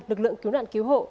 lực lượng cứu nạn cứu hộ